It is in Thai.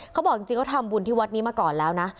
เขาบอกจริงเขาทำบุญที่วัดนี้มาก่อนแล้วนะ